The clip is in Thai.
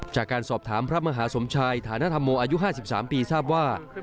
จากการสอบถามพระมหาสมชายฐานธรรมโมอายุ๕๓ปีทราบว่า